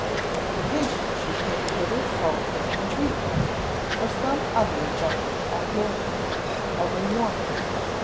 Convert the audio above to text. The patient should take a little sulphur and treacle, or some other gentle aperient, every morning.